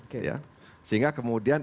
oke sehingga kemudian